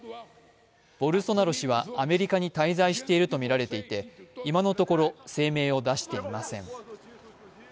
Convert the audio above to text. ボルソナロ氏はアメリカに滞在しているとみられていて、今のところ声明を出していません。